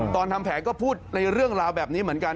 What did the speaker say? ทำแผนก็พูดในเรื่องราวแบบนี้เหมือนกัน